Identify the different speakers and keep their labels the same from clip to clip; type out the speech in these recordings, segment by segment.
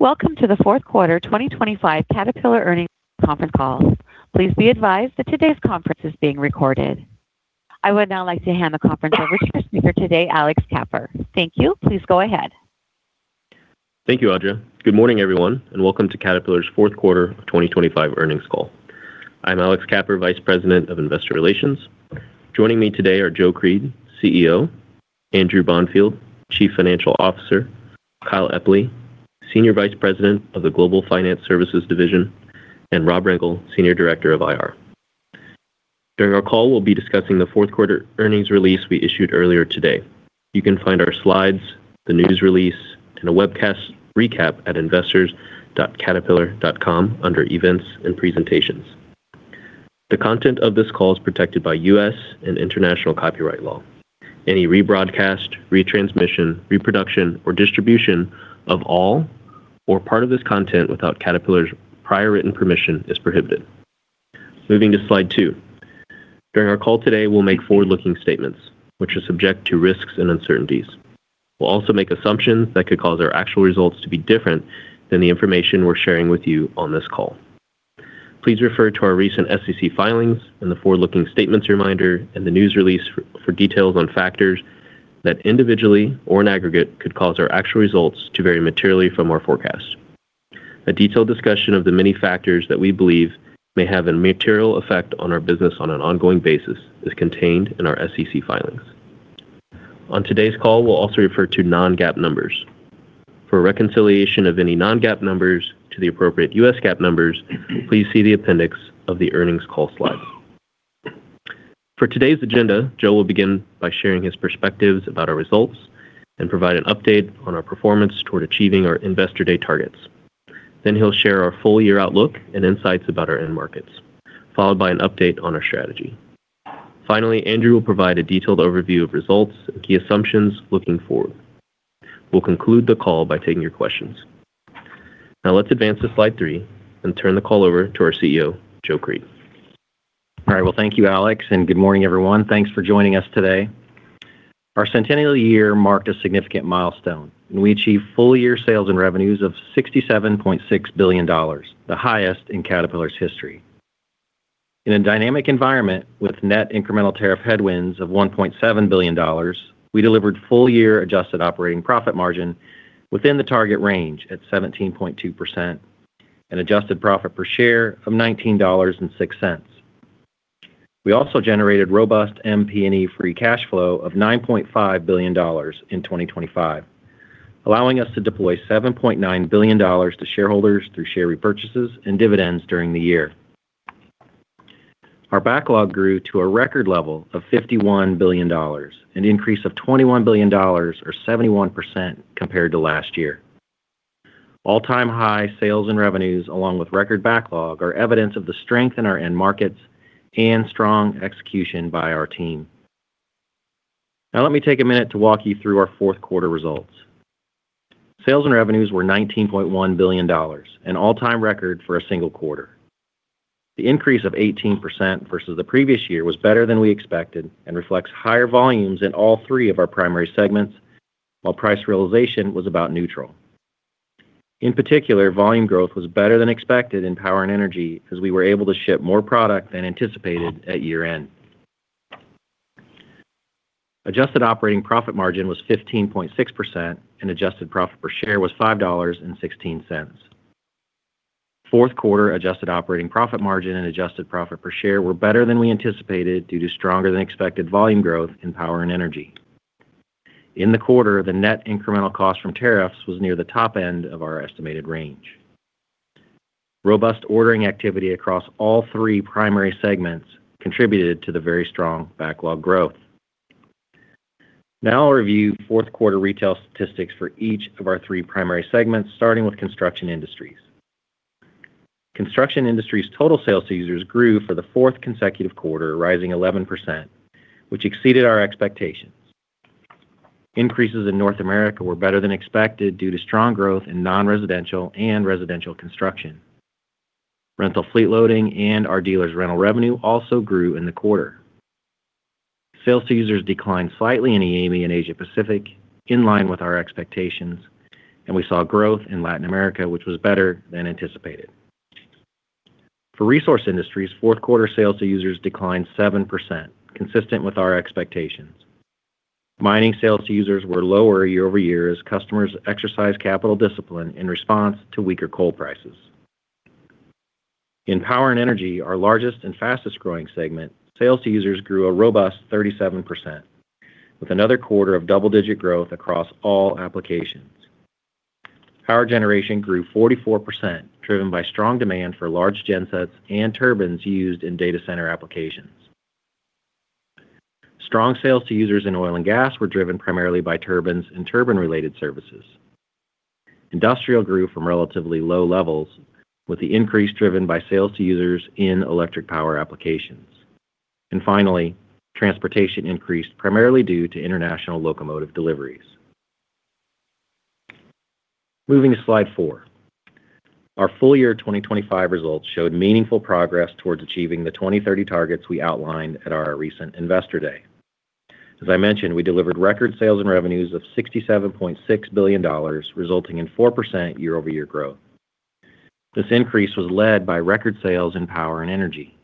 Speaker 1: Welcome to the fourth quarter 2025 Caterpillar Earnings Conference Call. Please be advised that today's conference is being recorded. I would now like to hand the conference over to our speaker today, Alex Kapper. Thank you. Please go ahead.
Speaker 2: Thank you, Audra. Good morning, everyone, and welcome to Caterpillar's fourth quarter 2025 earnings call. I'm Alex Kapper, Vice President of Investor Relations. Joining me today are Joe Creed, CEO; Andrew Bonfield, Chief Financial Officer; Kyle Epley, Senior Vice President of the Global Finance Services Division; and Rob Rengel, Senior Director of IR. During our call, we'll be discussing the fourth quarter earnings release we issued earlier today. You can find our slides, the news release, and a webcast recap at investors.caterpillar.com under Events and Presentations. The content of this call is protected by U.S. and international copyright law. Any rebroadcast, retransmission, reproduction, or distribution of all or part of this content without Caterpillar's prior written permission is prohibited. Moving to slide two. During our call today, we'll make forward-looking statements, which are subject to risks and uncertainties. We'll also make assumptions that could cause our actual results to be different than the information we're sharing with you on this call. Please refer to our recent SEC filings and the forward-looking statements reminder and the news release for details on factors that individually or in aggregate could cause our actual results to vary materially from our forecast. A detailed discussion of the many factors that we believe may have a material effect on our business on an ongoing basis is contained in our SEC filings. On today's call, we'll also refer to non-GAAP numbers. For reconciliation of any non-GAAP numbers to the appropriate U.S. GAAP numbers, please see the appendix of the earnings call slides. For today's agenda, Joe will begin by sharing his perspectives about our results and provide an update on our performance toward achieving our Investor Day targets. Then he'll share our full year outlook and insights about our end markets, followed by an update on our strategy. Finally, Andrew will provide a detailed overview of results and key assumptions looking forward. We'll conclude the call by taking your questions. Now, let's advance to slide three and turn the call over to our CEO, Joe Creed.
Speaker 3: All right. Well, thank you, Alex, and good morning, everyone. Thanks for joining us today. Our centennial year marked a significant milestone, and we achieved full year sales and revenues of $67.6 billion, the highest in Caterpillar's history. In a dynamic environment with net incremental tariff headwinds of $1.7 billion, we delivered full year adjusted operating profit margin within the target range at 17.2% and adjusted profit per share of $19.06. We also generated robust MP&E free cash flow of $9.5 billion in 2025, allowing us to deploy $7.9 billion to shareholders through share repurchases and dividends during the year. Our backlog grew to a record level of $51 billion, an increase of $21 billion, or 71%, compared to last year. All-time high sales and revenues, along with record backlog, are evidence of the strength in our end markets and strong execution by our team. Now, let me take a minute to walk you through our fourth quarter results. Sales and revenues were $19.1 billion, an all-time record for a single quarter. The increase of 18% versus the previous year was better than we expected and reflects higher volumes in all three of our primary segments, while price realization was about neutral. In particular, volume growth was better than expected in Power and Energy as we were able to ship more product than anticipated at year-end. Adjusted operating profit margin was 15.6%, and adjusted profit per share was $5.16. Fourth quarter adjusted operating profit margin and adjusted profit per share were better than we anticipated due to stronger-than-expected volume growth in Power and Energy. In the quarter, the net incremental cost from tariffs was near the top end of our estimated range. Robust ordering activity across all three primary segments contributed to the very strong backlog growth. Now, I'll review fourth quarter retail statistics for each of our three primary segments, starting Construction Industries' total sales to users grew for the fourth consecutive quarter, rising 11%, which exceeded our expectations. Increases in North America were better than expected due to strong growth in non-residential and residential construction. Rental fleet loading and our dealer's rental revenue also grew in the quarter. Sales to users declined slightly in EAME and Asia Pacific, in line with our expectations, and we saw growth in Latin America, which was better than anticipated. For Resource Industries, fourth quarter sales to users declined 7%, consistent with our expectations. Mining sales to users were lower year-over-year as customers exercised capital discipline in response to weaker coal prices. In Power and Energy, our largest and fastest-growing segment, sales to users grew a robust 37%, with another quarter of double-digit growth across all applications. Power Generation grew 44%, driven by strong demand for large gensets and turbines used in data center applications. Strong sales to users in Oil and Gas were driven primarily by turbines and turbine-related services. Industrial grew from relatively low levels, with the increase driven by sales to users in electric power applications. And finally, Transportation increased primarily due to international locomotive deliveries. Moving to slide four. Our full year 2025 results showed meaningful progress towards achieving the 2030 targets we outlined at our recent Investor Day. As I mentioned, we delivered record sales and revenues of $67.6 billion, resulting in 4% year-over-year growth. This increase was led by record sales in Power and Energy.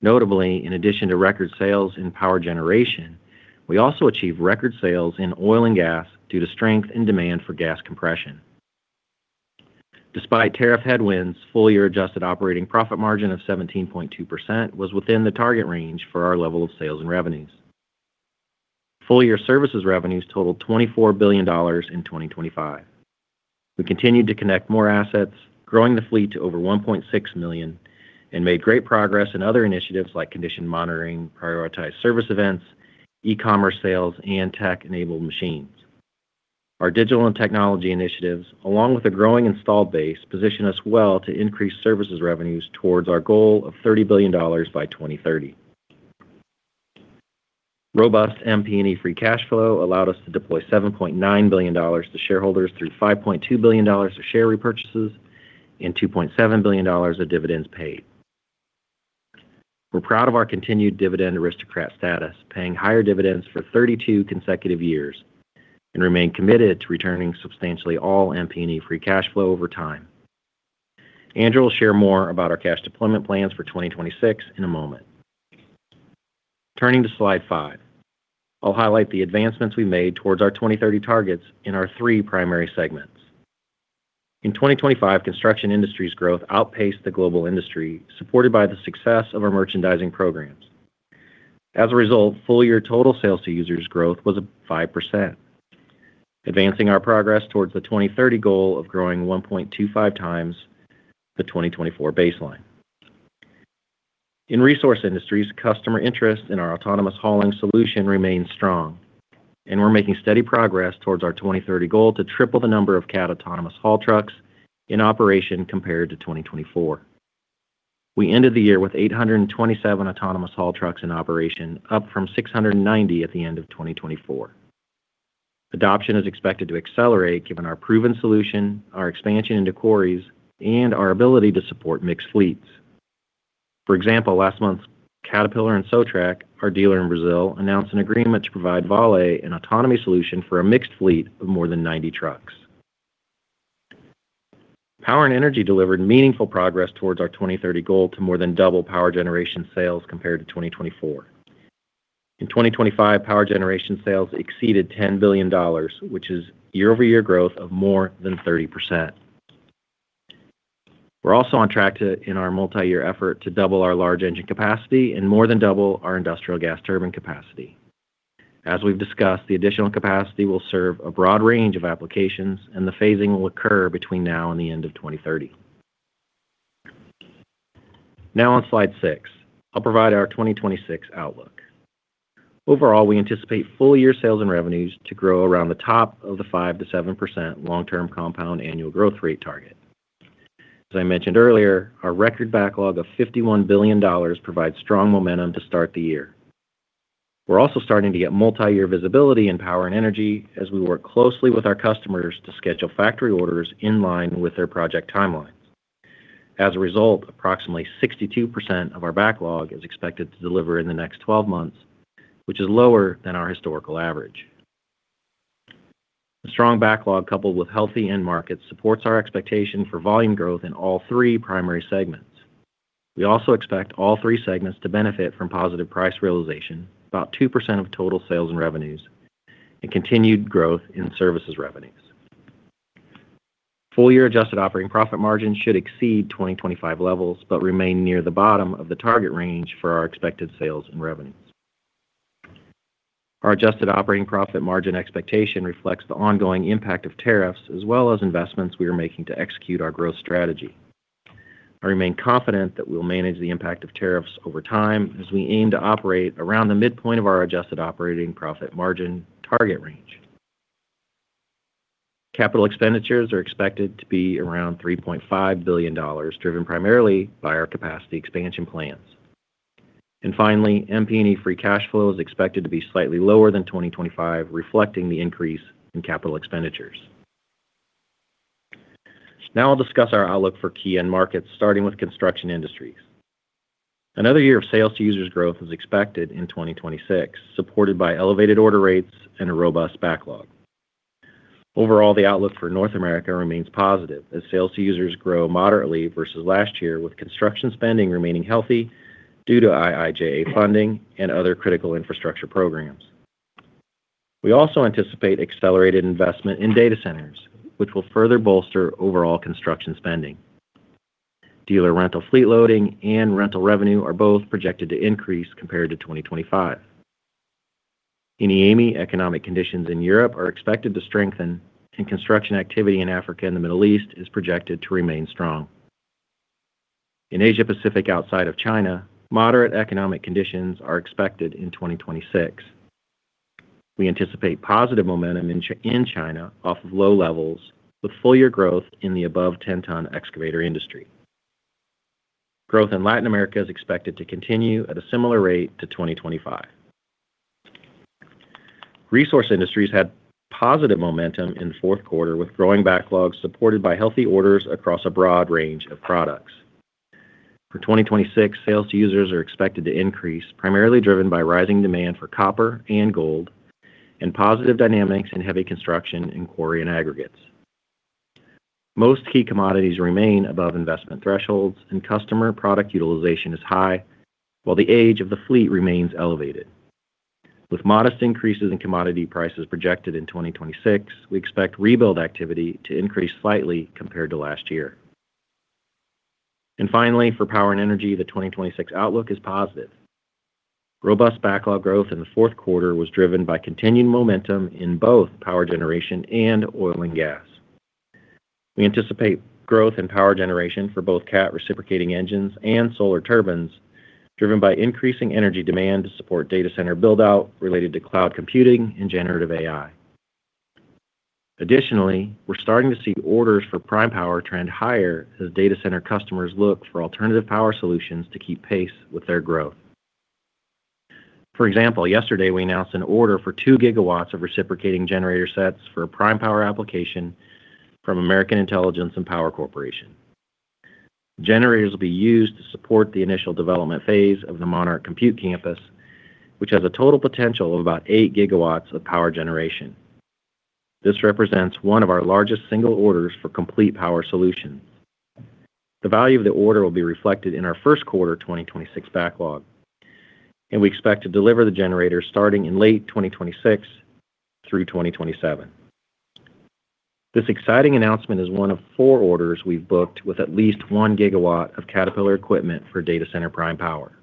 Speaker 3: Notably, in addition to record sales in Power Generation, we also achieved record sales in Oil and Gas due to strength and demand for gas compression. Despite tariff headwinds, full year adjusted operating profit margin of 17.2% was within the target range for our level of sales and revenues. Full year services revenues totaled $24 billion in 2025. We continued to connect more assets, growing the fleet to over 1.6 million, and made great progress in other initiatives like condition monitoring, prioritized service events, e-commerce sales, and tech-enabled machines. Our digital and technology initiatives, along with a growing installed base, position us well to increase services revenues towards our goal of $30 billion by 2030. Robust MP&E free cash flow allowed us to deploy $7.9 billion to shareholders through $5.2 billion of share repurchases and $2.7 billion of dividends paid. We're proud of our continued Dividend Aristocrat status, paying higher dividends for 32 consecutive years, and remain committed to returning substantially all MP&E free cash flow over time. Andrew will share more about our cash deployment plans for 2026 in a moment. Turning to slide five, I'll highlight the advancements we made towards our 2030 targets in our three primary segments. In 2025, construction industry's growth outpaced the global industry, supported by the success of our merchandising programs. As a result, full year total sales to users growth was 5%, advancing our progress towards the 2030 goal of growing 1.25x the 2024 baseline. In Resource Industries, customer interest in our autonomous hauling solution remains strong, and we're making steady progress towards our 2030 goal to triple the number of Cat autonomous haul trucks in operation compared to 2024. We ended the year with 827 autonomous haul trucks in operation, up from 690 at the end of 2024. Adoption is expected to accelerate given our proven solution, our expansion into quarries, and our ability to support mixed fleets. For example, last month, Caterpillar and Sotreq, our dealer in Brazil, announced an agreement to provide Vale, an autonomy solution for a mixed fleet of more than 90 trucks. Power and Energy delivered meaningful progress towards our 2030 goal to more than double Power Generation sales compared to 2024. In 2025, Power Generation sales exceeded $10 billion, which is year-over-year growth of more than 30%. We're also on track to, in our multi-year effort, double our large engine capacity and more than double our industrial gas turbine capacity. As we've discussed, the additional capacity will serve a broad range of applications, and the phasing will occur between now and the end of 2030. Now, on slide six, I'll provide our 2026 outlook. Overall, we anticipate full year sales and revenues to grow around the top of the 5%-7% long-term compound annual growth rate target. As I mentioned earlier, our record backlog of $51 billion provides strong momentum to start the year. We're also starting to get multi-year visibility in Power and Energy as we work closely with our customers to schedule factory orders in line with their project timelines. As a result, approximately 62% of our backlog is expected to deliver in the next 12 months, which is lower than our historical average. The strong backlog, coupled with healthy end markets, supports our expectation for volume growth in all three primary segments. We also expect all three segments to benefit from positive price realization, about 2% of total sales and revenues, and continued growth in services revenues. Full year adjusted operating profit margin should exceed 2025 levels but remain near the bottom of the target range for our expected sales and revenues. Our adjusted operating profit margin expectation reflects the ongoing impact of tariffs as well as investments we are making to execute our growth strategy. I remain confident that we'll manage the impact of tariffs over time as we aim to operate around the midpoint of our adjusted operating profit margin target range. Capital expenditures are expected to be around $3.5 billion, driven primarily by our capacity expansion plans. Finally, MP&E free cash flow is expected to be slightly lower than 2025, reflecting the increase in capital expenditures. Now, I'll discuss our outlook for key end markets, starting Construction Industries. Another year of Sales to Users growth is expected in 2026, supported by elevated order rates and a robust backlog. Overall, the outlook for North America remains positive as Sales to Users grow moderately versus last year, with construction spending remaining healthy due to IIJA funding and other critical infrastructure programs. We also anticipate accelerated investment in data centers, which will further bolster overall construction spending. Dealer rental fleet loading and rental revenue are both projected to increase compared to 2025. In EAME, economic conditions in Europe are expected to strengthen, and construction activity in Africa and the Middle East is projected to remain strong. In Asia Pacific outside of China, moderate economic conditions are expected in 2026. We anticipate positive momentum in China off of low levels, with full year growth in the above 10-ton excavator industry. Growth in Latin America is expected to continue at a similar rate to 2025. Resource Industries had positive momentum in the fourth quarter, with growing backlog supported by healthy orders across a broad range of products. For 2026, sales to users are expected to increase, primarily driven by rising demand for copper and gold and positive dynamics in heavy construction and quarry and aggregates. Most key commodities remain above investment thresholds, and customer product utilization is high, while the age of the fleet remains elevated. With modest increases in commodity prices projected in 2026, we expect rebuild activity to increase slightly compared to last year. And finally, for Power and Energy, the 2026 outlook is positive. Robust backlog growth in the fourth quarter was driven by continued momentum in both Power Generation and Oil and Gas. We anticipate growth in Power Generation for both Cat reciprocating engines and Solar Turbines, driven by increasing energy demand to support data center build-out related to cloud computing and generative AI. Additionally, we're starting to see orders for prime power trend higher as data center customers look for alternative power solutions to keep pace with their growth. For example, yesterday, we announced an order for 2 GW of reciprocating generator sets for a prime power application from American Intelligence and Power Corporation. Generators will be used to support the initial development phase of the Monarch Compute Campus, which has a total potential of about 8 GW of Power Generation. This represents one of our largest single orders for complete power solutions. The value of the order will be reflected in our first quarter 2026 backlog, and we expect to deliver the generators starting in late 2026 through 2027. This exciting announcement is 1 of 4 orders we've booked with at least 1 GW of Caterpillar equipment for data center prime power.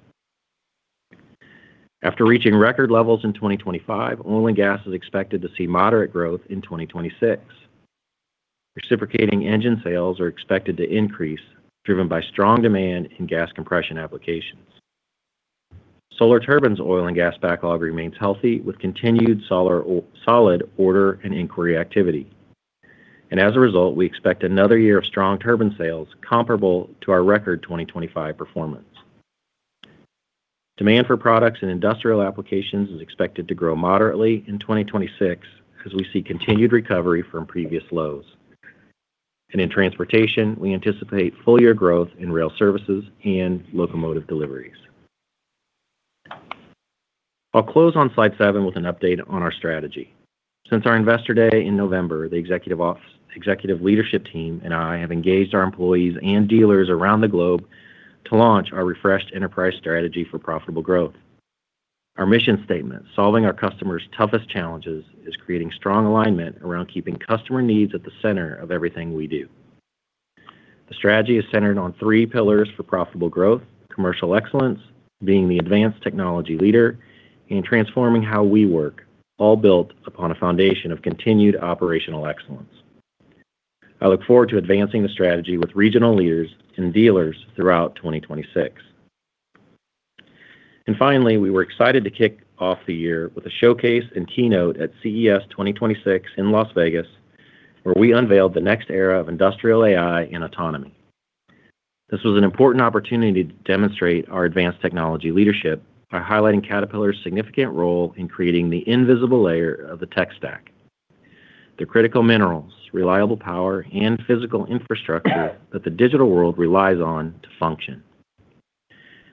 Speaker 3: After reaching record levels in 2025, Oil and Gas is expected to see moderate growth in 2026. Reciprocating engine sales are expected to increase, driven by strong demand in gas compression applications. Solar Turbines' Oil and Gas backlog remains healthy, with continued solid order and inquiry activity. As a result, we expect another year of strong turbine sales comparable to our record 2025 performance. Demand for products in industrial applications is expected to grow moderately in 2026 as we see continued recovery from previous lows. In Transportation, we anticipate full year growth in rail services and locomotive deliveries. I'll close on slide seven with an update on our strategy. Since our Investor Day in November, the executive leadership team and I have engaged our employees and dealers around the globe to launch our refreshed enterprise strategy for profitable growth. Our mission statement, solving our customers' toughest challenges, is creating strong alignment around keeping customer needs at the center of everything we do. The strategy is centered on three pillars for profitable growth: commercial excellence, being the advanced technology leader, and transforming how we work, all built upon a foundation of continued operational excellence. I look forward to advancing the strategy with regional leaders and dealers throughout 2026. Finally, we were excited to kick off the year with a showcase and keynote at CES 2026 in Las Vegas, where we unveiled the next era of industrial AI and autonomy. This was an important opportunity to demonstrate our advanced technology leadership by highlighting Caterpillar's significant role in creating the invisible layer of the tech stack, the critical minerals, reliable power, and physical infrastructure that the digital world relies on to function.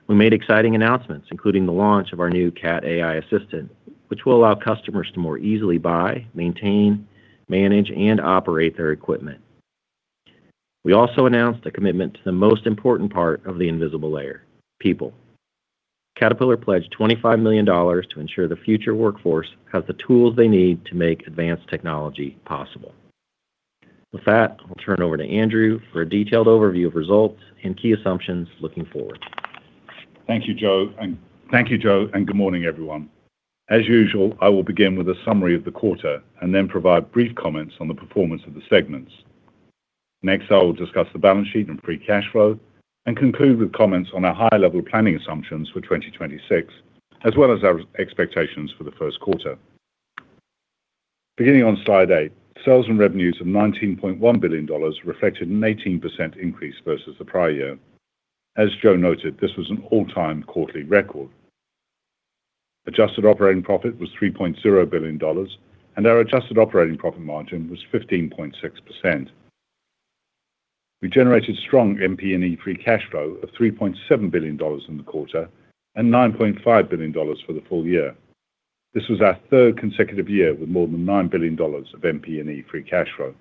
Speaker 3: We made exciting announcements, including the launch of our new Cat AI Assistant, which will allow customers to more easily buy, maintain, manage, and operate their equipment. We also announced a commitment to the most important part of the invisible layer: people. Caterpillar pledged $25 million to ensure the future workforce has the tools they need to make advanced technology possible. With that, I'll turn over to Andrew for a detailed overview of results and key assumptions looking forward.
Speaker 4: Thank you, Joe. Thank you, Joe, and good morning, everyone. As usual, I will begin with a summary of the quarter and then provide brief comments on the performance of the segments. Next, I will discuss the balance sheet and free cash flow and conclude with comments on our high-level planning assumptions for 2026, as well as our expectations for the first quarter. Beginning on slide eight, sales and revenues of $19.1 billion reflected an 18% increase versus the prior year. As Joe noted, this was an all-time quarterly record. Adjusted operating profit was $3.0 billion, and our adjusted operating profit margin was 15.6%. We generated strong MP&E free cash flow of $3.7 billion in the quarter and $9.5 billion for the full year. This was our third consecutive year with more than $9 billion of MP&E free cash flow.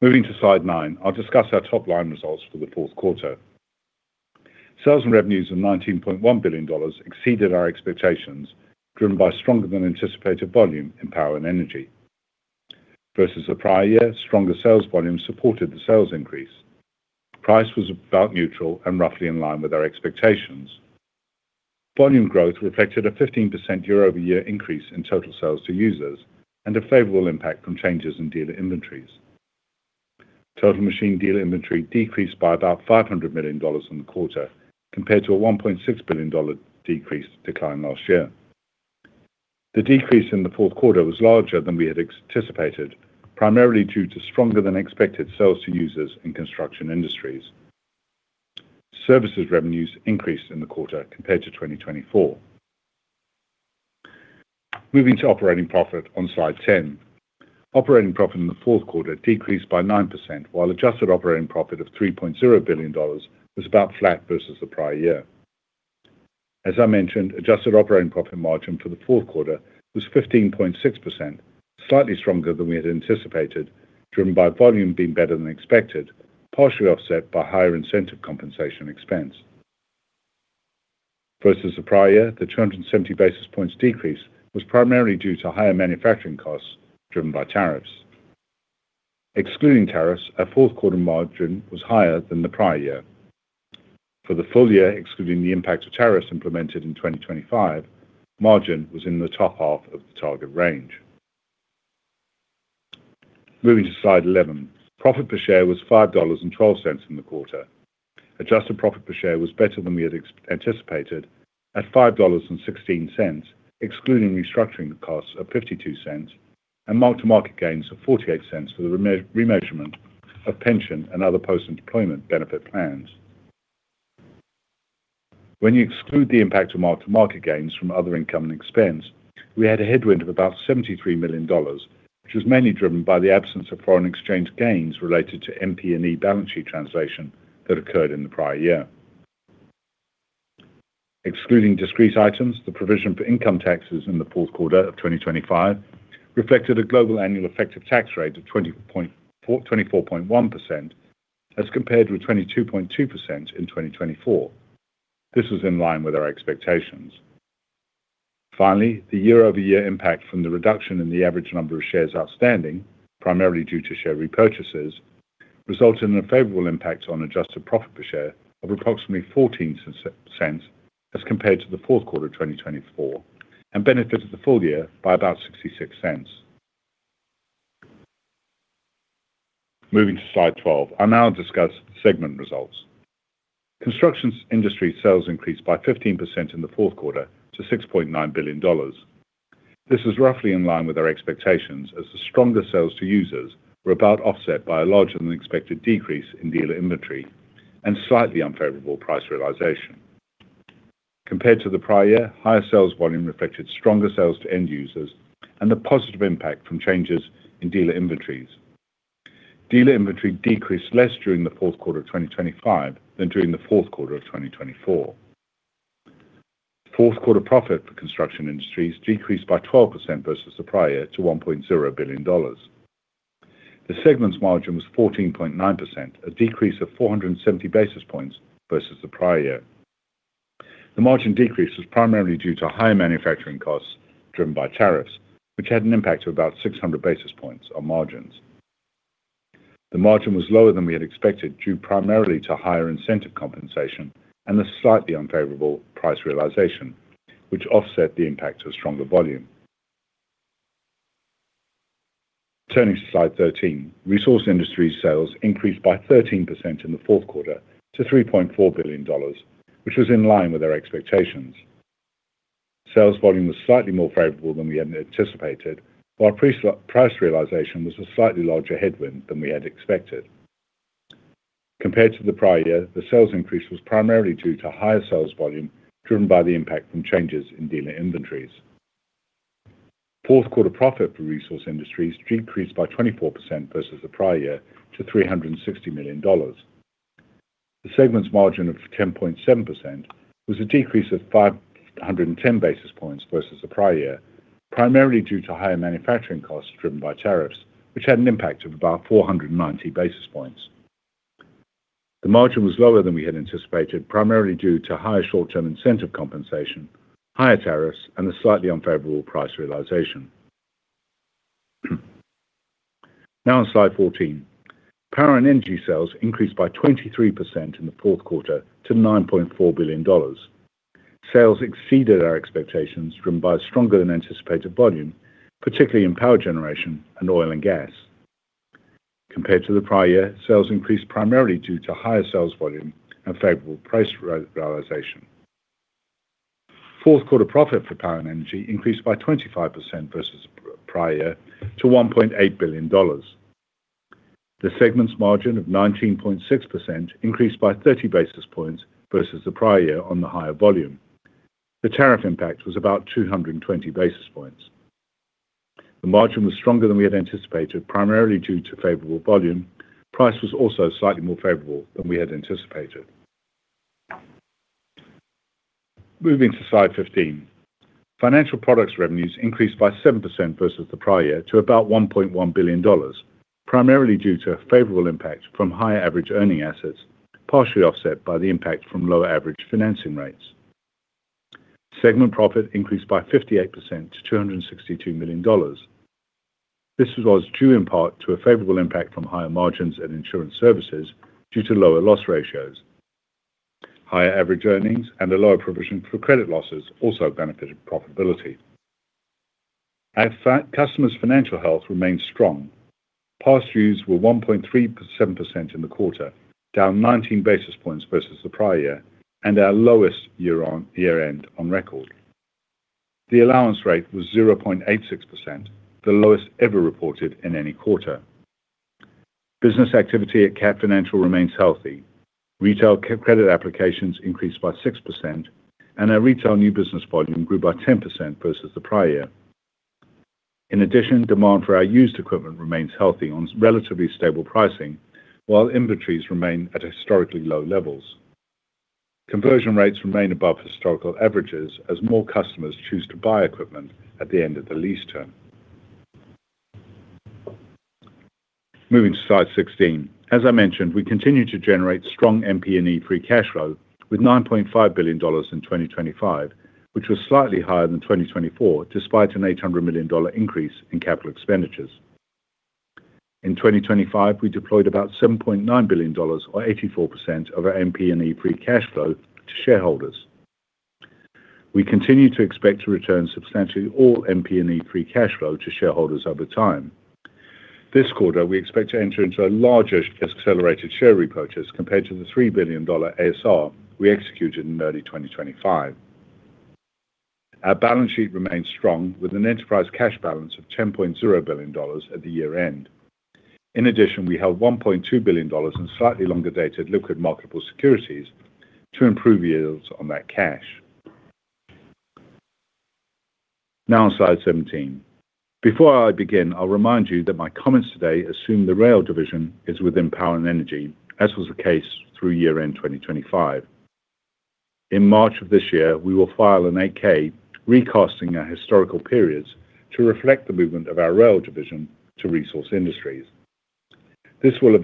Speaker 4: Moving to slide nine, I'll discuss our top line results for the fourth quarter. Sales and revenues of $19.1 billion exceeded our expectations, driven by stronger-than-anticipated volume in Power and Energy. Versus the prior year, stronger sales volume supported the sales increase. Price was about neutral and roughly in line with our expectations. Volume growth reflected a 15% year-over-year increase in total sales to users and a favorable impact from changes in dealer inventories. Total machine dealer inventory decreased by about $500 million in the quarter, compared to a $1.6 billion decrease last year. The decrease in the fourth quarter was larger than we had anticipated, primarily due to stronger-than-expected sales to Construction Industries. services revenues increased in the quarter compared to 2024. Moving to operating profit on slide 10, operating profit in the fourth quarter decreased by 9%, while adjusted operating profit of $3.0 billion was about flat versus the prior year. As I mentioned, adjusted operating profit margin for the fourth quarter was 15.6%, slightly stronger than we had anticipated, driven by volume being better than expected, partially offset by higher incentive compensation expense. Versus the prior year, the 270 basis points decrease was primarily due to higher manufacturing costs driven by tariffs. Excluding tariffs, our fourth quarter margin was higher than the prior year. For the full year, excluding the impact of tariffs implemented in 2025, margin was in the top half of the target range. Moving to slide 11, profit per share was $5.12 in the quarter. Adjusted profit per share was better than we had anticipated at $5.16, excluding restructuring costs of $0.52 and mark-to-market gains of $0.48 for the remeasurement of pension and other post-employment benefit plans. When you exclude the impact of mark-to-market gains from other income and expense, we had a headwind of about $73 million, which was mainly driven by the absence of foreign exchange gains related to MP&E balance sheet translation that occurred in the prior year. Excluding discrete items, the provision for income taxes in the fourth quarter of 2025 reflected a global annual effective tax rate of 24.1% as compared with 22.2% in 2024. This was in line with our expectations. Finally, the year-over-year impact from the reduction in the average number of shares outstanding, primarily due to share repurchases, resulted in a favorable impact on adjusted profit per share of approximately $0.14 as compared to the fourth quarter 2024 and benefited the full year by about $0.66. Moving to slide 12, I'll now discuss segment results. Construction industry sales increased by 15% in the fourth quarter to $6.9 billion. This is roughly in line with our expectations as the stronger sales to users were about offset by a larger-than-expected decrease in dealer inventory and slightly unfavorable price realization. Compared to the prior year, higher sales volume reflected stronger sales to end users and the positive impact from changes in dealer inventories. Dealer inventory decreased less during the fourth quarter of 2025 than during the fourth quarter of 2024. Fourth quarter profit Construction Industries decreased by 12% versus the prior year to $1.0 billion. The segment's margin was 14.9%, a decrease of 470 basis points versus the prior year. The margin decrease was primarily due to higher manufacturing costs driven by tariffs, which had an impact of about 600 basis points on margins. The margin was lower than we had expected due primarily to higher incentive compensation and the slightly unfavorable price realization, which offset the impact of stronger volume. Turning to slide 13, Resource Industries sales increased by 13% in the fourth quarter to $3.4 billion, which was in line with our expectations. Sales volume was slightly more favorable than we had anticipated, while price realization was a slightly larger headwind than we had expected. Compared to the prior year, the sales increase was primarily due to higher sales volume driven by the impact from changes in dealer inventories. Fourth quarter profit for Resource Industries decreased by 24% versus the prior year to $360 million. The segment's margin of 10.7% was a decrease of 510 basis points versus the prior year, primarily due to higher manufacturing costs driven by tariffs, which had an impact of about 490 basis points. The margin was lower than we had anticipated, primarily due to higher short-term incentive compensation, higher tariffs, and the slightly unfavorable price realization. Now on slide 14, Power and Energy sales increased by 23% in the fourth quarter to $9.4 billion. Sales exceeded our expectations driven by stronger-than-anticipated volume, particularly in Power Generation and Oil and Gas. Compared to the prior year, sales increased primarily due to higher sales volume and favorable price realization. Fourth quarter profit for Power and Energy increased by 25% versus the prior year to $1.8 billion. The segment's margin of 19.6% increased by 30 basis points versus the prior year on the higher volume. The tariff impact was about 220 basis points. The margin was stronger than we had anticipated, primarily due to favorable volume. Price was also slightly more favorable than we had anticipated. Moving to slide 15, financial products revenues increased by 7% versus the prior year to about $1.1 billion, primarily due to a favorable impact from higher average earning assets, partially offset by the impact from lower average financing rates. Segment profit increased by 58% to $262 million. This was due in part to a favorable impact from higher margins and insurance services due to lower loss ratios. Higher average earnings and a lower provision for credit losses also benefited profitability. Customers' financial health remained strong. Past dues were 1.37% in the quarter, down 19 basis points versus the prior year, and our lowest year-end on record. The allowance rate was 0.86%, the lowest ever reported in any quarter. Business activity at Cat Financial remains healthy. Retail credit applications increased by 6%, and our retail new business volume grew by 10% versus the prior year. In addition, demand for our used equipment remains healthy on relatively stable pricing, while inventories remain at historically low levels. Conversion rates remain above historical averages as more customers choose to buy equipment at the end of the lease term. Moving to slide 16, as I mentioned, we continue to generate strong MP&E free cash flow with $9.5 billion in 2025, which was slightly higher than 2024 despite an $800 million increase in capital expenditures. In 2025, we deployed about $7.9 billion, or 84% of our MP&E free cash flow, to shareholders. We continue to expect to return substantially all MP&E free cash flow to shareholders over time. This quarter, we expect to enter into a larger accelerated share repurchase compared to the $3 billion ASR we executed in early 2025. Our balance sheet remains strong with an enterprise cash balance of $10.0 billion at the year-end. In addition, we held $1.2 billion in slightly longer-dated liquid marketable securities to improve yields on that cash. Now on slide 17. Before I begin, I'll remind you that my comments today assume the rail division is within Power and Energy, as was the case through year-end 2025. In March of this year, we will file an 8-K recasting our historical periods to reflect the movement of our rail division to Resource Industries. This will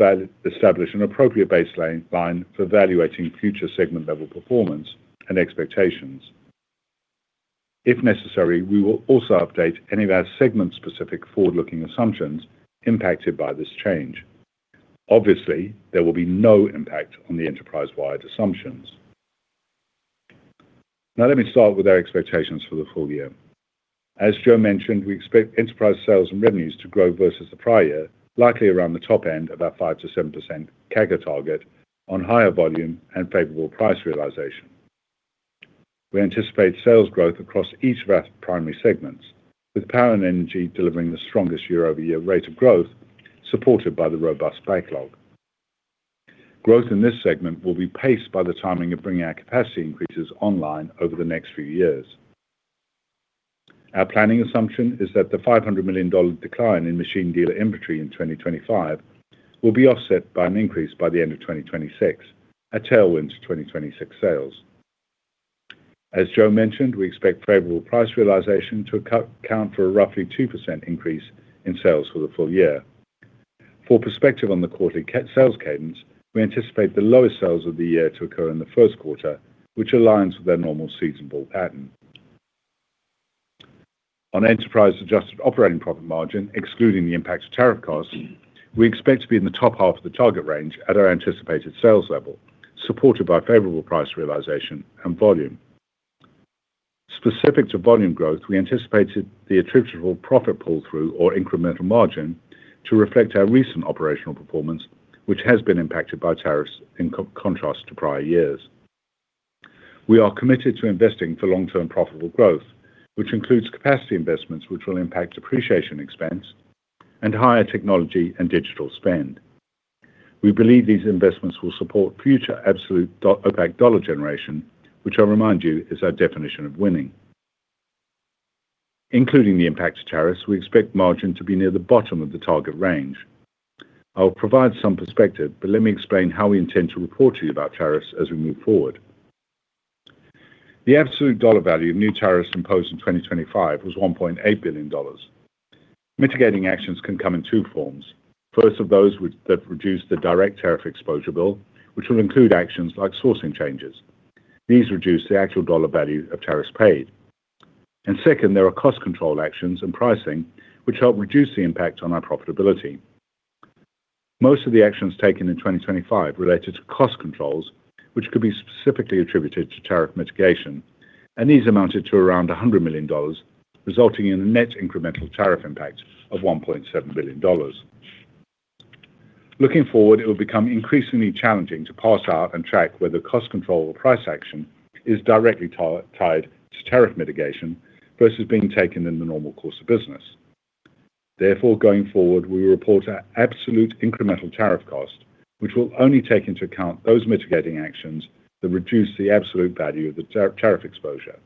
Speaker 4: establish an appropriate baseline for evaluating future segment-level performance and expectations. If necessary, we will also update any of our segment-specific forward-looking assumptions impacted by this change. Obviously, there will be no impact on the enterprise-wide assumptions. Now let me start with our expectations for the full year. As Joe mentioned, we expect enterprise sales and revenues to grow versus the prior year, likely around the top end of our 5%-7% CAGR target on higher volume and favorable price realization. We anticipate sales growth across each of our primary segments, with Power and Energy delivering the strongest year-over-year rate of growth supported by the robust backlog. Growth in this segment will be paced by the timing of bringing our capacity increases online over the next few years. Our planning assumption is that the $500 million decline in machine dealer inventory in 2025 will be offset by an increase by the end of 2026, a tailwind to 2026 sales. As Joe mentioned, we expect favorable price realization to account for a roughly 2% increase in sales for the full year. For perspective on the quarterly sales cadence, we anticipate the lowest sales of the year to occur in the first quarter, which aligns with our normal seasonal pattern. On enterprise-adjusted operating profit margin, excluding the impact of tariff costs, we expect to be in the top half of the target range at our anticipated sales level, supported by favorable price realization and volume. Specific to volume growth, we anticipated the attributable profit pull-through or incremental margin to reflect our recent operational performance, which has been impacted by tariffs in contrast to prior years. We are committed to investing for long-term profitable growth, which includes capacity investments which will impact depreciation expense and higher technology and digital spend. We believe these investments will support future absolute OPACC dollar generation, which I remind you is our definition of winning. Including the impact of tariffs, we expect margin to be near the bottom of the target range. I'll provide some perspective, but let me explain how we intend to report to you about tariffs as we move forward. The absolute dollar value of new tariffs imposed in 2025 was $1.8 billion. Mitigating actions can come in two forms. First, of those that reduce the direct tariff exposure bill, which will include actions like sourcing changes. These reduce the actual dollar value of tariffs paid. And second, there are cost control actions and pricing which help reduce the impact on our profitability. Most of the actions taken in 2025 related to cost controls, which could be specifically attributed to tariff mitigation, and these amounted to around $100 million, resulting in a net incremental tariff impact of $1.7 billion. Looking forward, it will become increasingly challenging to parse out and track whether cost control or price action is directly tied to tariff mitigation versus being taken in the normal course of business. Therefore, going forward, we will report an absolute incremental tariff cost, which will only take into account those mitigating actions that reduce the absolute value of the tariff exposure.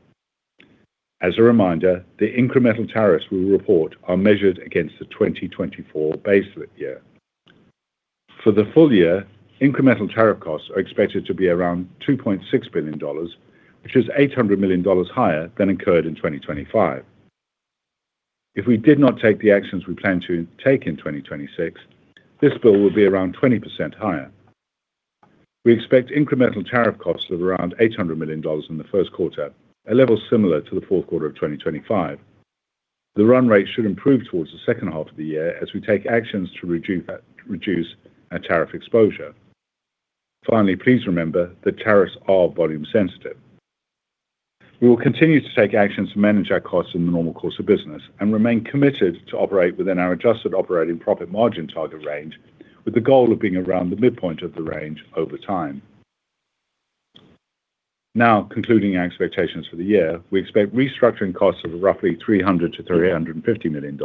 Speaker 4: As a reminder, the incremental tariffs we will report are measured against the 2024 baseline year. For the full year, incremental tariff costs are expected to be around $2.6 billion, which is $800 million higher than occurred in 2025. If we did not take the actions we plan to take in 2026, this bill will be around 20% higher. We expect incremental tariff costs of around $800 million in the first quarter, a level similar to the fourth quarter of 2025. The run rate should improve towards the second half of the year as we take actions to reduce our tariff exposure. Finally, please remember that tariffs are volume-sensitive. We will continue to take actions to manage our costs in the normal course of business and remain committed to operate within our adjusted operating profit margin target range, with the goal of being around the midpoint of the range over time. Now, concluding our expectations for the year, we expect restructuring costs of roughly $300 million-$350 million.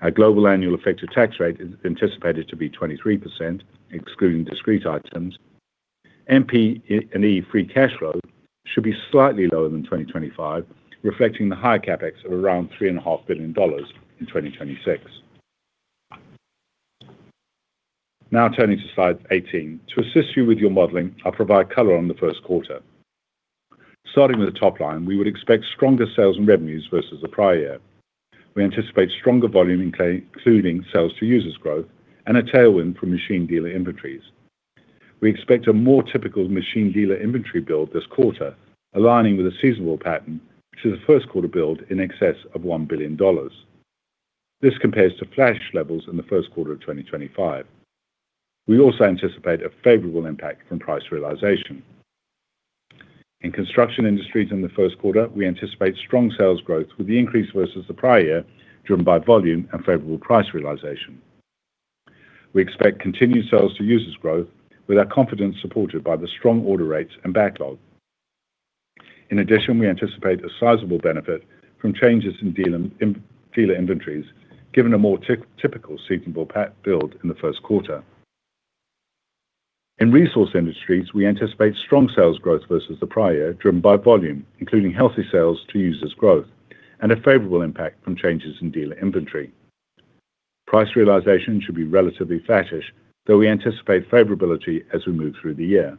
Speaker 4: Our global annual effective tax rate is anticipated to be 23%, excluding discrete items. MP&E free cash flow should be slightly lower than 2025, reflecting the higher CapEx of around $3.5 billion in 2026. Now turning to slide 18, to assist you with your modeling, I'll provide color on the first quarter. Starting with the top line, we would expect stronger sales and revenues versus the prior year. We anticipate stronger volume, including sales to users growth and a tailwind from machine dealer inventories. We expect a more typical machine dealer inventory build this quarter, aligning with a seasonal pattern, which is a first quarter build in excess of $1 billion. This compares to flash levels in the first quarter of 2025. We also anticipate a favorable impact from price realization. Construction Industries in the first quarter, we anticipate strong sales growth with the increase versus the prior year driven by volume and favorable price realization. We expect continued sales to users growth with our confidence supported by the strong order rates and backlog. In addition, we anticipate a sizable benefit from changes in dealer inventories, given a more typical seasonal build in the first quarter. In Resource Industries, we anticipate strong sales growth versus the prior year driven by volume, including healthy sales to users growth and a favorable impact from changes in dealer inventory. Price realization should be relatively flattish, though we anticipate favorability as we move through the year.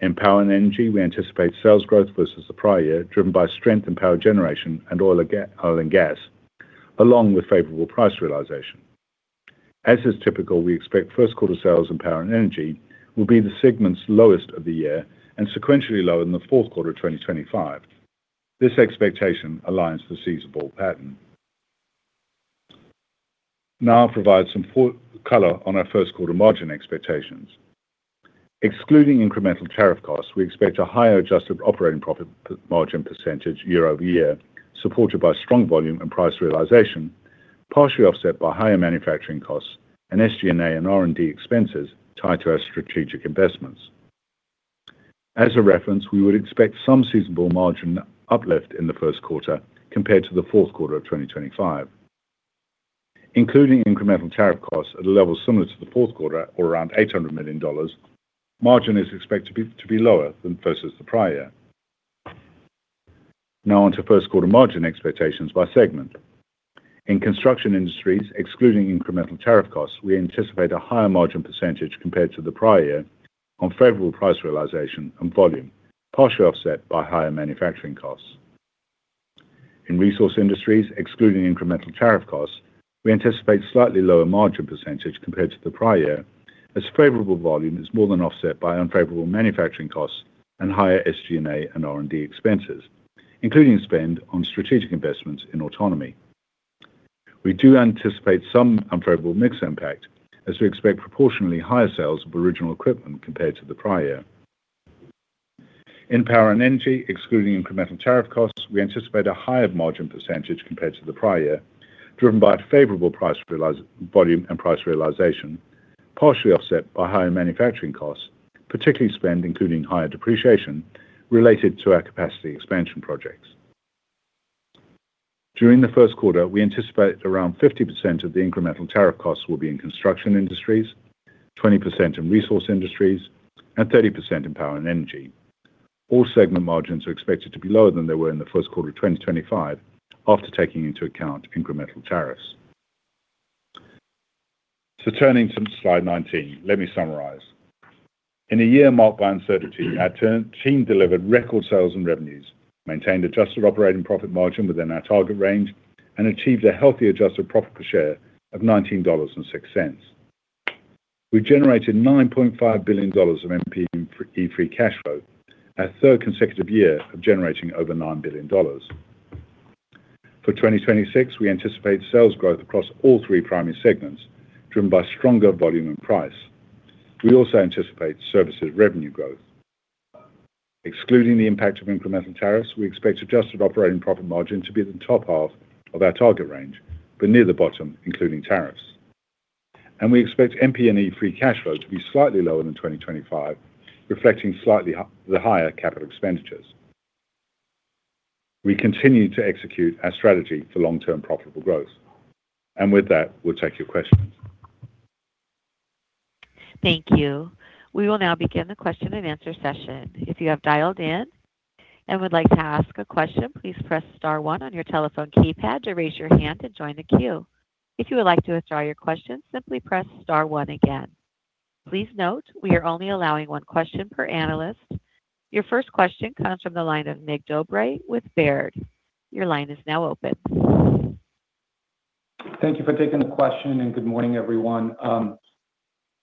Speaker 4: In Power and Energy, we anticipate sales growth versus the prior year driven by strength in Power Generation and Oil and Gas, along with favorable price realization. As is typical, we expect first quarter sales in Power and Energy will be the segment's lowest of the year and sequentially lower in the fourth quarter of 2025. This expectation aligns with the seasonal pattern. Now I'll provide some color on our first quarter margin expectations. Excluding incremental tariff costs, we expect a higher adjusted operating profit margin percentage year-over-year, supported by strong volume and price realization, partially offset by higher manufacturing costs and SG&A and R&D expenses tied to our strategic investments. As a reference, we would expect some seasonal margin uplift in the first quarter compared to the fourth quarter of 2025. Including incremental tariff costs at a level similar to the fourth quarter, or around $800 million, margin is expected to be lower versus the prior year. Now on to first quarter margin expectations by segment. Construction Industries, excluding incremental tariff costs, we anticipate a higher margin percentage compared to the prior year on favorable price realization and volume, partially offset by higher manufacturing costs. In Resource Industries, excluding incremental tariff costs, we anticipate slightly lower margin percentage compared to the prior year, as favorable volume is more than offset by unfavorable manufacturing costs and higher SG&A and R&D expenses, including spend on strategic investments in autonomy. We do anticipate some unfavorable mixed impact, as we expect proportionally higher sales of original equipment compared to the prior year. In Power and Energy, excluding incremental tariff costs, we anticipate a higher margin percentage compared to the prior year, driven by favorable volume and price realization, partially offset by higher manufacturing costs, particularly spend, including higher depreciation related to our capacity expansion projects. During the first quarter, we anticipate around 50% of the incremental tariff costs will be Construction Industries, 20% in Resource Industries, and 30% in Power and Energy. All segment margins are expected to be lower than they were in the first quarter of 2025, after taking into account incremental tariffs. So turning to slide 19, let me summarize. In a year marked by uncertainty, our team delivered record sales and revenues, maintained adjusted operating profit margin within our target range, and achieved a healthy adjusted profit per share of $19.06. We generated $9.5 billion of MP&E free cash flow, our third consecutive year of generating over $9 billion. For 2026, we anticipate sales growth across all three primary segments, driven by stronger volume and price. We also anticipate services revenue growth. Excluding the impact of incremental tariffs, we expect adjusted operating profit margin to be at the top half of our target range, but near the bottom, including tariffs. And we expect MP&E free cash flow to be slightly lower than 2025, reflecting slightly the higher capital expenditures. We continue to execute our strategy for long-term profitable growth. And with that, we'll take your questions.
Speaker 1: Thank you. We will now begin the question and answer session. If you have dialed in and would like to ask a question, please press star one on your telephone keypad to raise your hand and join the queue. If you would like to withdraw your question, simply press star one again. Please note we are only allowing one question per analyst. Your first question comes from the line of Mircea Dobre with Baird. Your line is now open.
Speaker 5: Thank you for taking the question and good morning, everyone.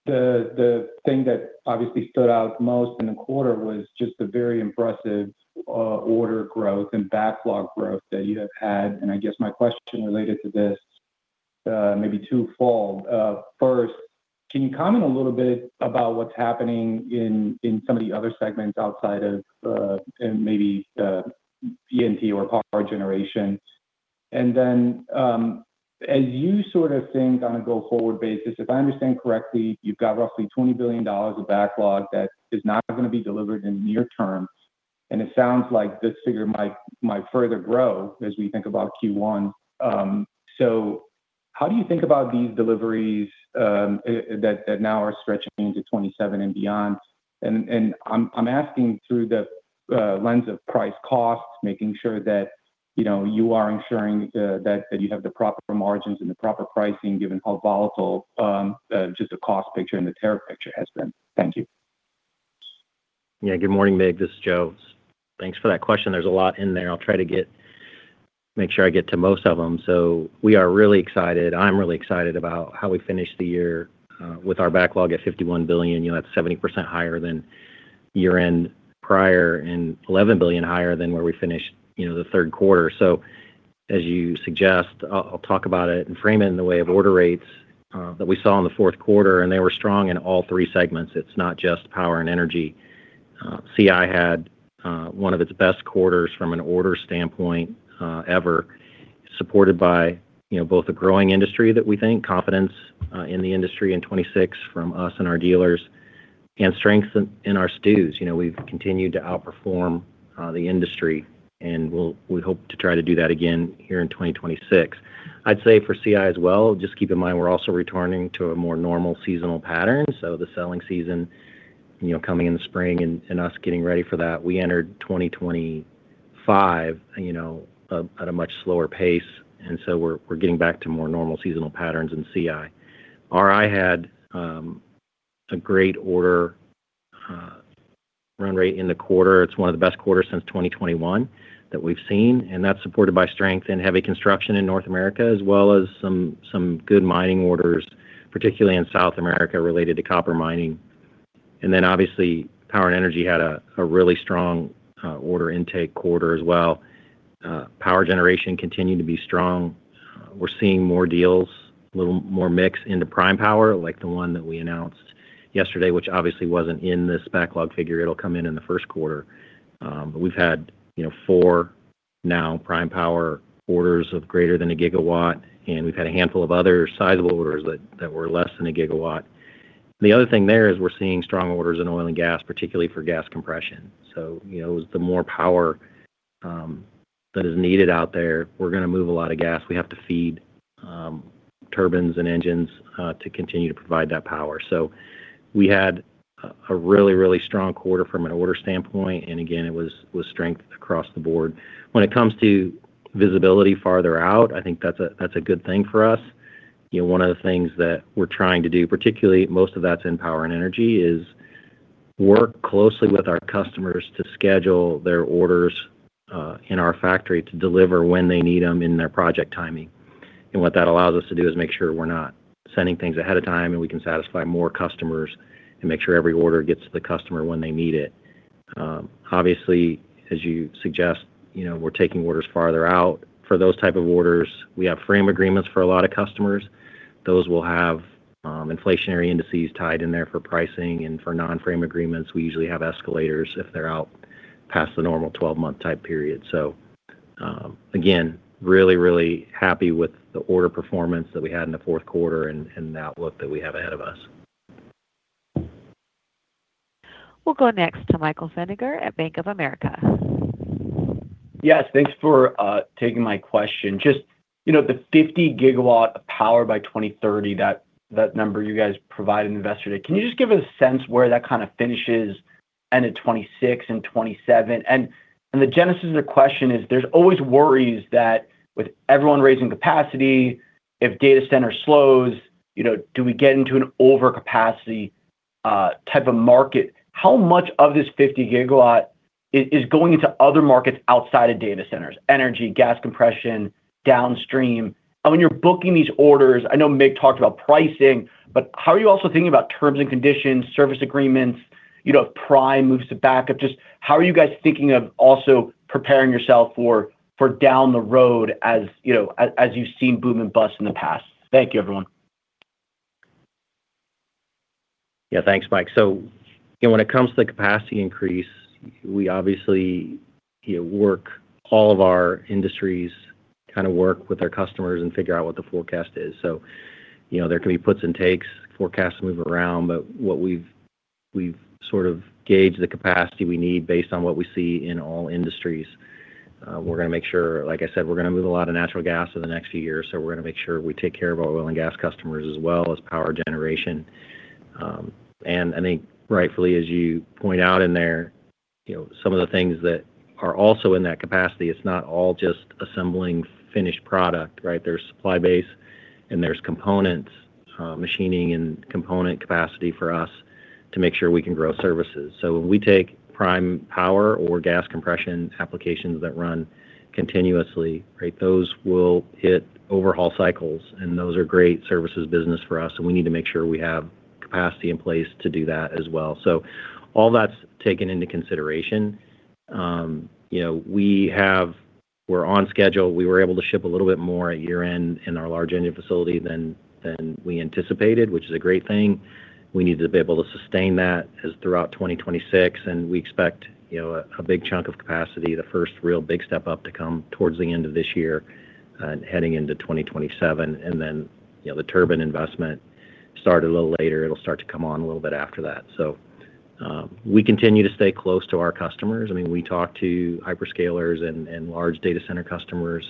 Speaker 5: The thing that obviously stood out most in the quarter was just the very impressive order growth and backlog growth that you have had. And I guess my question related to this may be twofold. First, can you comment a little bit about what's happening in some of the other segments outside of maybe E&T or Power Generation? And then as you sort of think on a go-forward basis, if I understand correctly, you've got roughly $20 billion of backlog that is not going to be delivered in the near term. And it sounds like this figure might further grow as we think about Q1. So how do you think about these deliveries that now are stretching into 2027 and beyond? And I'm asking through the lens of price costs, making sure that you are ensuring that you have the proper margins and the proper pricing, given how volatile just the cost picture and the tariff picture has been. Thank you.
Speaker 3: Yeah, good morning, Mirc. This is Joe. Thanks for that question. There's a lot in there. I'll try to make sure I get to most of them. So we are really excited. I'm really excited about how we finished the year with our backlog at $51 billion. That's 70% higher than year-end prior and $11 billion higher than where we finished the third quarter. So as you suggest, I'll talk about it and frame it in the way of order rates that we saw in the fourth quarter, and they were strong in all three segments. It's not just Power and Energy. CI had one of its best quarters from an order standpoint ever, supported by both a growing industry that we think, confidence in the industry in 2026 from us and our dealers, and strength in our STUs. We've continued to outperform the industry, and we hope to try to do that again here in 2026. I'd say for CI as well, just keep in mind we're also returning to a more normal seasonal pattern. So the selling season coming in the spring and us getting ready for that, we entered 2025 at a much slower pace. And so we're getting back to more normal seasonal patterns in CI. RI had a great order run rate in the quarter. It's one of the best quarters since 2021 that we've seen. And that's supported by strength in heavy construction in North America, as well as some good mining orders, particularly in South America related to copper mining. And then obviously, Power and Energy had a really strong order intake quarter as well. Power Generation continued to be strong. We're seeing more deals, a little more mix into Prime Power, like the one that we announced yesterday, which obviously wasn't in the backlog figure. It'll come in in the first quarter. But we've had 4 now Prime Power orders of greater than 1 GW, and we've had a handful of other sizable orders that were less than 1 GW. The other thing there is we're seeing strong orders in Oil and Gas, particularly for gas compression. So it was the more power that is needed out there. We're going to move a lot of gas. We have to feed turbines and engines to continue to provide that power. So we had a really, really strong quarter from an order standpoint. And again, it was strength across the board. When it comes to visibility farther out, I think that's a good thing for us. One of the things that we're trying to do, particularly most of that's in Power and Energy, is work closely with our customers to schedule their orders in our factory to deliver when they need them in their project timing. What that allows us to do is make sure we're not sending things ahead of time and we can satisfy more customers and make sure every order gets to the customer when they need it. Obviously, as you suggest, we're taking orders farther out. For those types of orders, we have frame agreements for a lot of customers. Those will have inflationary indices tied in there for pricing. For non-frame agreements, we usually have escalators if they're out past the normal 12-month type period. So again, really, really happy with the order performance that we had in the fourth quarter and the outlook that we have ahead of us.
Speaker 1: We'll go next to Michael Feniger at Bank of America.
Speaker 6: Yes, thanks for taking my question. Just the 50 GW of power by 2030, that number you guys provided investors today, can you just give us a sense where that kind of finishes end of 2026 and 2027? And the genesis of the question is there's always worries that with everyone raising capacity, if data centers slows, do we get into an overcapacity type of market? How much of this 50 GW is going into other markets outside of data centers? Energy, gas compression, downstream. And when you're booking these orders, I know Mirc talked about pricing, but how are you also thinking about terms and conditions, service agreements? If prime moves to backup, just how are you guys thinking of also preparing yourself for down the road as you've seen boom and bust in the past? Thank you, everyone.
Speaker 3: Yeah, thanks, Mike. So when it comes to the capacity increase, we obviously work all of our industries kind of work with our customers and figure out what the forecast is. So there can be puts and takes, forecasts move around, but what we've sort of gauged the capacity we need based on what we see in all industries. We're going to make sure, like I said, we're going to move a lot of natural gas in the next few years. So we're going to make sure we take care of our Oil and Gas customers as well as Power Generation. I think rightfully, as you point out in there, some of the things that are also in that capacity, it's not all just assembling finished product, right? There's supply base and there's components, machining and component capacity for us to make sure we can grow services. So when we take Prime Power or gas compression applications that run continuously, right, those will hit overhaul cycles and those are great services business for us. And we need to make sure we have capacity in place to do that as well. So all that's taken into consideration. We're on schedule. We were able to ship a little bit more at year-end in our large engine facility than we anticipated, which is a great thing. We need to be able to sustain that throughout 2026. We expect a big chunk of capacity, the first real big step up to come towards the end of this year and heading into 2027. Then the turbine investment started a little later. It'll start to come on a little bit after that. We continue to stay close to our customers. I mean, we talk to hyperscalers and large data center customers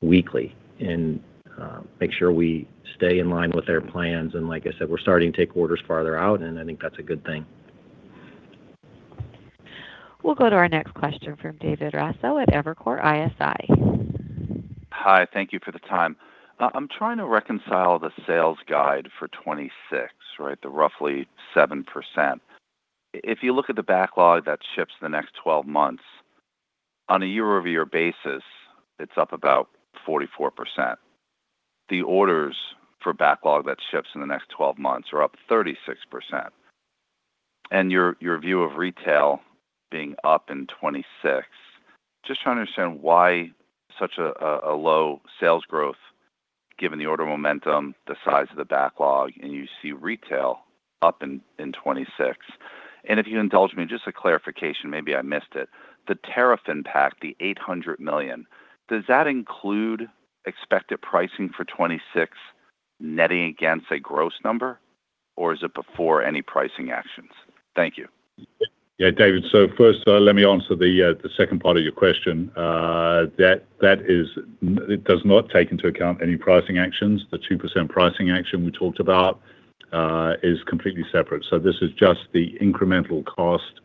Speaker 3: weekly and make sure we stay in line with their plans. Like I said, we're starting to take orders farther out, and I think that's a good thing.
Speaker 1: We'll go to our next question from David Raso at Evercore ISI.
Speaker 7: Hi, thank you for the time. I'm trying to reconcile the sales guide for 2026, right? The roughly 7%. If you look at the backlog that ships in the next 12 months, on a year-over-year basis, it's up about 44%. The orders for backlog that ships in the next 12 months are up 36%. And your view of retail being up in 2026, just trying to understand why such a low sales growth given the order momentum, the size of the backlog, and you see retail up in 2026. And if you indulge me in just a clarification, maybe I missed it, the tariff impact, the $800 million, does that include expected pricing for 2026 netting against a gross number, or is it before any pricing actions? Thank you.
Speaker 4: Yeah, David, so first, let me answer the second part of your question. That does not take into account any pricing actions. The 2% pricing action we talked about is completely separate. So this is just the incremental cost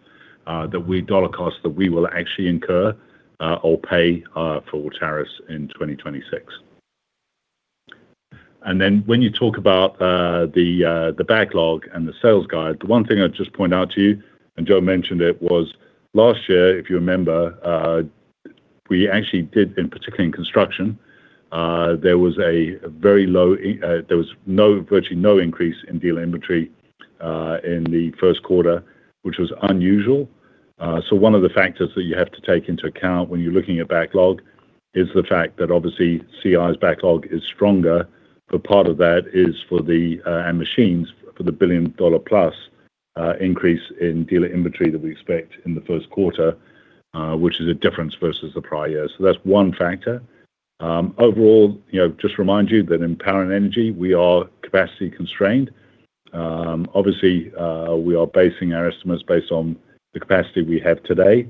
Speaker 4: that we dollar cost that we will actually incur or pay for tariffs in 2026. Then when you talk about the backlog and the sales guide, the one thing I'd just point out to you, and Joe mentioned it, was last year, if you remember, we actually did, in particular in construction, there was virtually no increase in dealer inventory in the first quarter, which was unusual. So one of the factors that you have to take into account when you're looking at backlog is the fact that obviously CI's backlog is stronger, but part of that is for the machines for the $1 billion-plus increase in dealer inventory that we expect in the first quarter, which is a difference versus the prior year. So that's one factor. Overall, just remind you that in Power and Energy, we are capacity constrained. Obviously, we are basing our estimates based on the capacity we have today.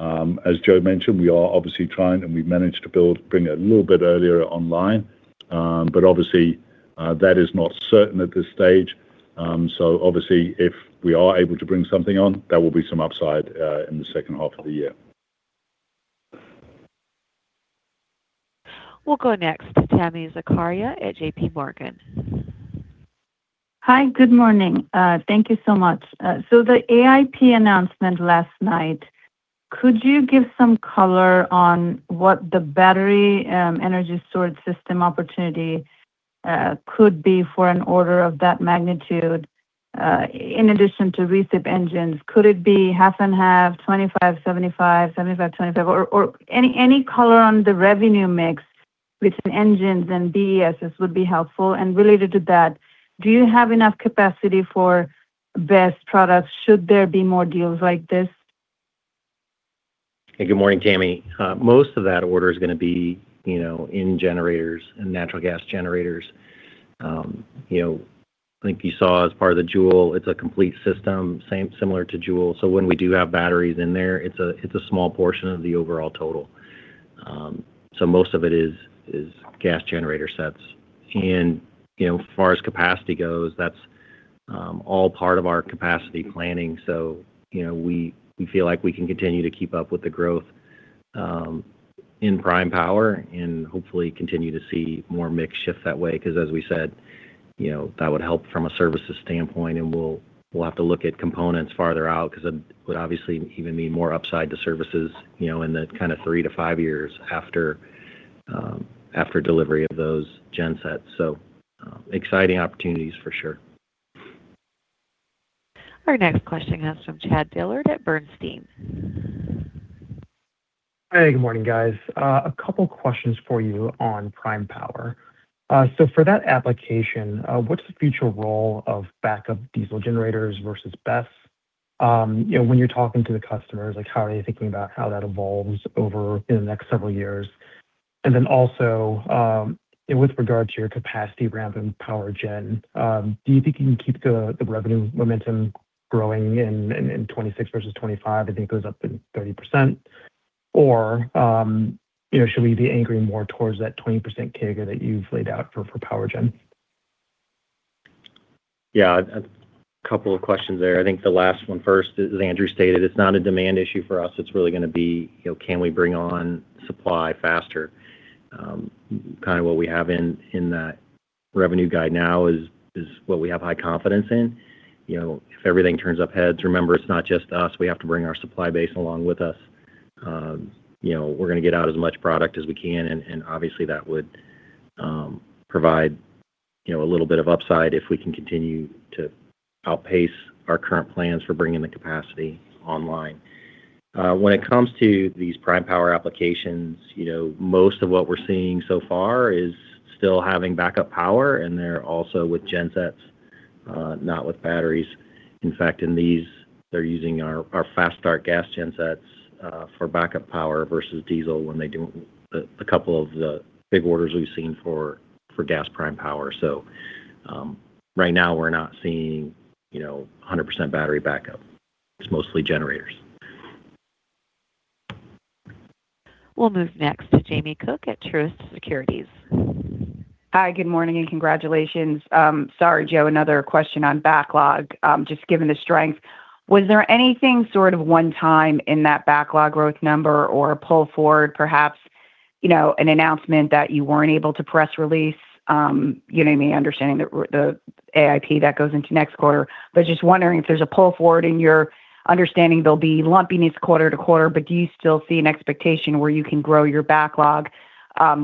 Speaker 4: As Joe mentioned, we are obviously trying and we've managed to bring it a little bit earlier online, but obviously that is not certain at this stage. So obviously, if we are able to bring something on, there will be some upside in the second half of the year.
Speaker 1: We'll go next to Tami Zakaria at J.P. Morgan.
Speaker 8: Hi, good morning. Thank you so much. So the AIP announcement last night, could you give some color on what the battery energy storage system opportunity could be for an order of that magnitude in addition to recip engines? Could it be half and half, 25-75, 75-25, or any color on the revenue mix between engines and BESS would be helpful? And related to that, do you have enough capacity for BESS products? Should there be more deals like this?
Speaker 3: Hey, good morning, Tami. Most of that order is going to be in generators and natural gas generators. I think you saw as part of the Joule, it's a complete system, similar to Joule. When we do have batteries in there, it's a small portion of the overall total. Most of it is gas generator sets. As far as capacity goes, that's all part of our capacity planning. We feel like we can continue to keep up with the growth in prime power and hopefully continue to see more mix shift that way. Because as we said, that would help from a services standpoint, and we'll have to look at components farther out because it would obviously even be more upside to services in the kind of 3-5 years after delivery of thosegensets. Exciting opportunities for sure.
Speaker 1: Our next question is from Chad Dillard at Bernstein.
Speaker 9: Hey, good morning, guys. A couple of questions for you on prime power. So for that application, what's the future role of backup diesel generators versus BESS? When you're talking to the customers, how are they thinking about how that evolves over in the next several years? And then also with regard to your capacity ramp in power gen, do you think you can keep the revenue momentum growing in 2026 versus 2025? I think it goes up to 30%. Or should we be anchoring more towards that 20% CAGR that you've laid out for power gen?
Speaker 3: Yeah, a couple of questions there. I think the last one first, as Andrew stated, it's not a demand issue for us. It's really going to be, can we bring on supply faster? Kind of what we have in that revenue guide now is what we have high confidence in. If everything turns up heads, remember, it's not just us. We have to bring our supply base along with us. We're going to get out as much product as we can. And obviously, that would provide a little bit of upside if we can continue to outpace our current plans for bringing the capacity online. When it comes to these prime power applications, most of what we're seeing so far is still having backup power, and they're also with gensets, not with batteries. In fact, in these, they're using our fast start gas gensets for backup power versus diesel when they do a couple of the big orders we've seen for gas prime power. So right now, we're not seeing 100% battery backup. It's mostly generators.
Speaker 1: We'll move next to Jamie Cook at Truist Securities.
Speaker 10: Hi, good morning and congratulations. Sorry, Joe, another question on backlog. Just given the strength, was there anything sort of one-time in that backlog growth number or pull forward, perhaps an announcement that you weren't able to press release? You know what I mean? Understanding the AIP that goes into next quarter. But just wondering if there's a pull forward in your understanding there'll be lumpiness quarter to quarter, but do you still see an expectation where you can grow your backlog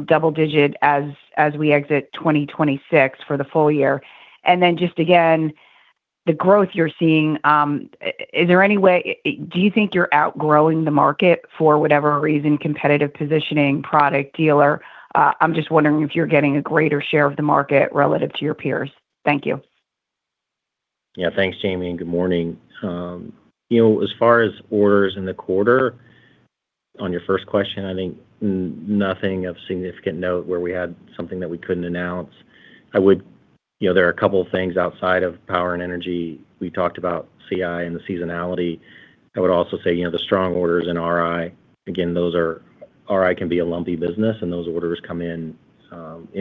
Speaker 10: double-digit as we exit 2026 for the full year? And then just again, the growth you're seeing, is there any way do you think you're outgrowing the market for whatever reason, competitive positioning, product, dealer? I'm just wondering if you're getting a greater share of the market relative to your peers. Thank you.
Speaker 3: Yeah, thanks, Jamie. And good morning. As far as orders in the quarter, on your first question, I think nothing of significant note where we had something that we couldn't announce. I would say there are a couple of things outside of Power and Energy. We talked about CI and the seasonality. I would also say the strong orders in RI. Again, those in RI can be a lumpy business, and those orders come in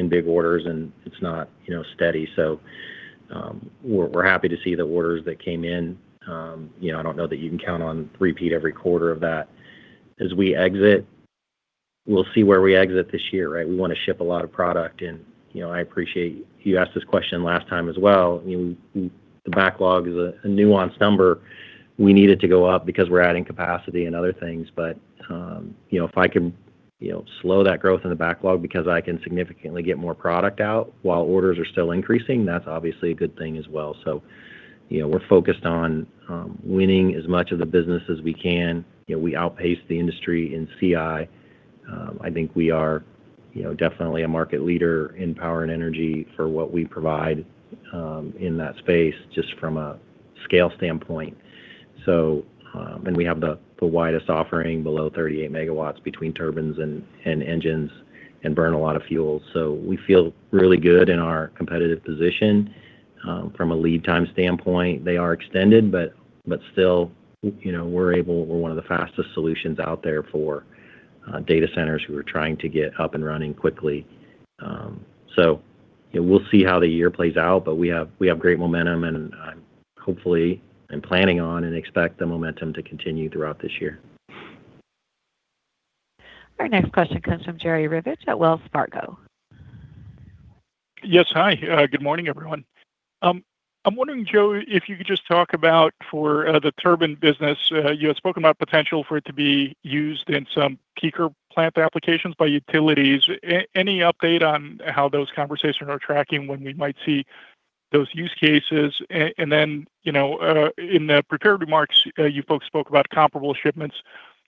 Speaker 3: big orders, and it's not steady. So we're happy to see the orders that came in. I don't know that you can count on a repeat every quarter of that. As we exit, we'll see where we exit this year, right? We want to ship a lot of product. And I appreciate that you asked this question last time as well. The backlog is a nuanced number. We need it to go up because we're adding capacity and other things. But if I can slow that growth in the backlog because I can significantly get more product out while orders are still increasing, that's obviously a good thing as well. So we're focused on winning as much of the business as we can. We outpace the industry in CI. I think we are definitely a market leader in Power and Energy for what we provide in that space just from a scale standpoint. And we have the widest offering below 38 MW between turbines and engines and burn a lot of fuel. So we feel really good in our competitive position. From a lead time standpoint, they are extended, but still, we're able, we're one of the fastest solutions out there for data centers who are trying to get up and running quickly. So we'll see how the year plays out, but we have great momentum, and hopefully, I'm planning on and expect the momentum to continue throughout this year.
Speaker 1: Our next question comes from Jerry Revich at Wells Fargo.
Speaker 11: Yes, hi. Good morning, everyone. I'm wondering, Joe, if you could just talk about for the turbine business, you had spoken about potential for it to be used in some peaker plant applications by utilities. Any update on how those conversations are tracking when we might see those use cases? And then in the prepared remarks, you folks spoke about comparable shipments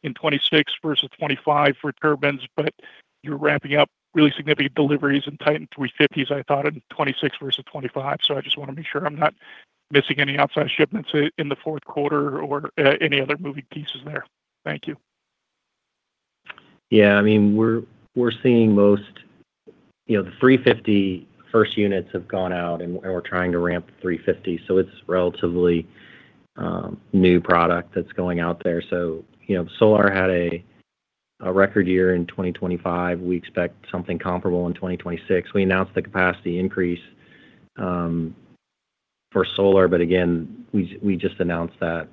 Speaker 11: in 2026 versus 2025 for turbines, but you're ramping up really significant deliveries and Titan 350s, I thought, in 2026 versus 2025. So I just want to make sure I'm not missing any outside shipments in the fourth quarter or any other moving pieces there. Thank you.
Speaker 3: Yeah, I mean, we're seeing most the 350 first units have gone out, and we're trying to ramp 350. So it's relatively new product that's going out there. So Solar had a record year in 2025. We expect something comparable in 2026. We announced the capacity increase for Solar, but again, we just announced that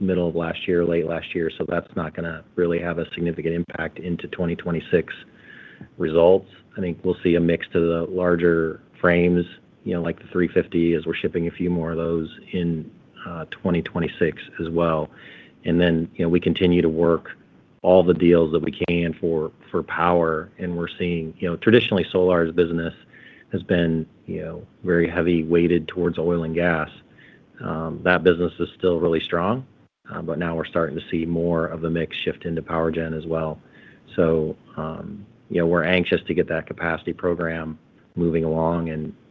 Speaker 3: middle of last year, late last year. So that's not going to really have a significant impact into 2026 results. I think we'll see a mix to the larger frames, like the 350, as we're shipping a few more of those in 2026 as well. And then we continue to work all the deals that we can for power. And we're seeing traditionally, Solar's business has been very heavy weighted towards Oil and Gas. That business is still really strong, but now we're starting to see more of the mix shift into power gen as well. So we're anxious to get that capacity program moving along,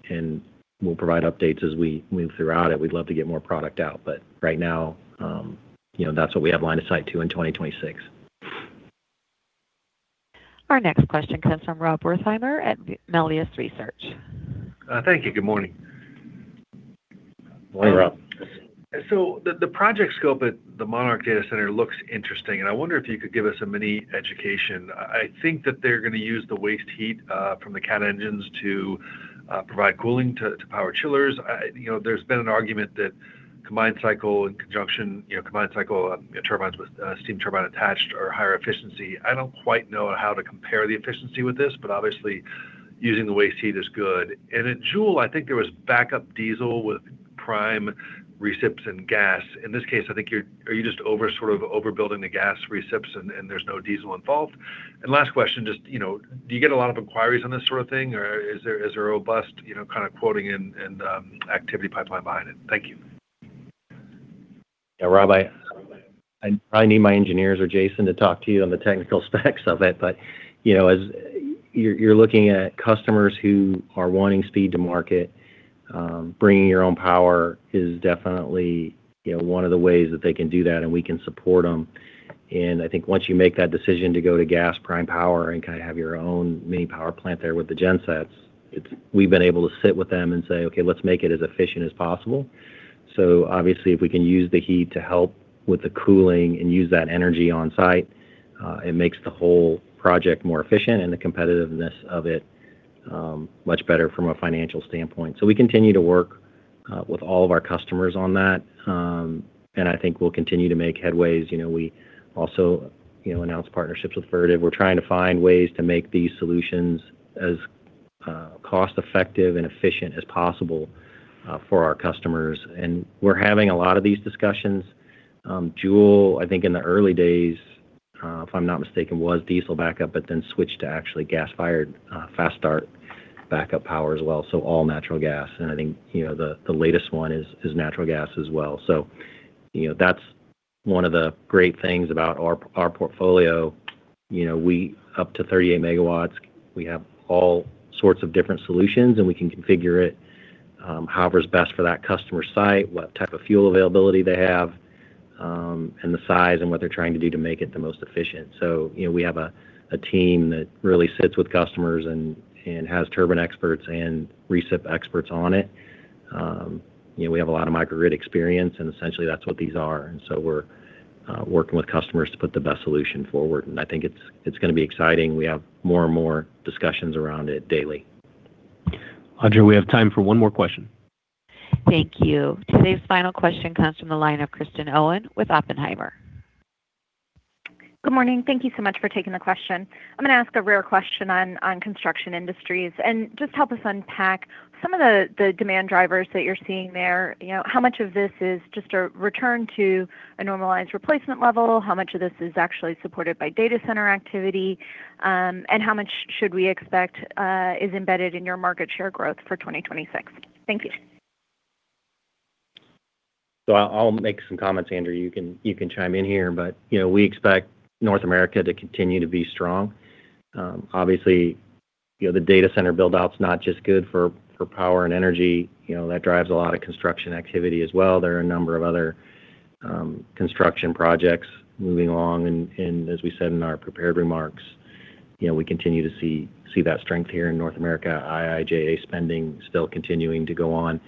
Speaker 3: and we'll provide updates as we move throughout it. We'd love to get more product out, but right now, that's what we have line of sight to in 2026.
Speaker 1: Our next question comes from Rob Wertheimer at Melius Research.
Speaker 12: Thank you. Good morning.
Speaker 3: Morning, Rob.
Speaker 12: So the project scope at the Monarch Compute Campus looks interesting. And I wonder if you could give us a mini education. I think that they're going to use the waste heat from the Cat engines to provide cooling to power chillers. There's been an argument that combined cycle and conjunction combined cycle turbines with steam turbine attached are higher efficiency. I don't quite know how to compare the efficiency with this, but obviously, using the waste heat is good. And at Joule, I think there was backup diesel with prime recips and gas. In this case, I think are you just sort of overbuilding the gas recips, and there's no diesel involved? And last question, just do you get a lot of inquiries on this sort of thing, or is there a robust kind of quoting and activity pipeline behind it? Thank you.
Speaker 3: Yeah, Rob, I probably need my engineers or Jason to talk to you on the technical specs of it. But as you're looking at customers who are wanting speed to market, bringing your own power is definitely one of the ways that they can do that, and we can support them. I think once you make that decision to go to gas prime power and kind of have your own mini power plant there with the gensets, we've been able to sit with them and say, "Okay, let's make it as efficient as possible." So obviously, if we can use the heat to help with the cooling and use that energy on site, it makes the whole project more efficient and the competitiveness of it much better from a financial standpoint. So we continue to work with all of our customers on that, and I think we'll continue to make headway. We also announced partnerships with Vertiv. We're trying to find ways to make these solutions as cost-effective and efficient as possible for our customers. And we're having a lot of these discussions. Joule, I think in the early days, if I'm not mistaken, was diesel backup, but then switched to actually gas-fired fast start backup power as well. So all natural gas. And I think the latest one is natural gas as well. So that's one of the great things about our portfolio. Up to 38 MW, we have all sorts of different solutions, and we can configure it however's best for that customer site, what type of fuel availability they have, and the size and what they're trying to do to make it the most efficient. So we have a team that really sits with customers and has turbine experts and recip experts on it. We have a lot of microgrid experience, and essentially, that's what these are. And so we're working with customers to put the best solution forward. And I think it's going to be exciting. We have more and more discussions around it daily.
Speaker 2: Audra, we have time for one more question.
Speaker 1: Thank you. Today's final question comes from the line of Kristen Owen with Oppenheimer.
Speaker 13: Good morning. Thank you so much for taking the question. I'm going to ask a rare question Construction Industries and just help us unpack some of the demand drivers that you're seeing there. How much of this is just a return to a normalized replacement level? How much of this is actually supported by data center activity? And how much should we expect is embedded in your market share growth for 2026? Thank you.
Speaker 3: So I'll make some comments, Andrew. You can chime in here, but we expect North America to continue to be strong. Obviously, the data center build-out's not just good for Power and Energy. That drives a lot of construction activity as well. There are a number of other construction projects moving along. As we said in our prepared remarks, we continue to see that strength here in North America. IIJA spending still continuing to go on.